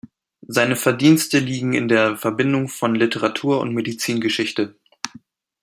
Seine Verdienste liegen in der Verbindung von Literatur und Medizingeschichte.